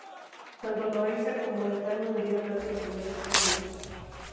Tanto Loaysa como Elcano murieron antes de llegar a su destino.